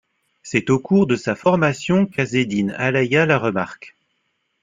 C'est au cours de sa formation qu'Azzedine Alaïa la remarque.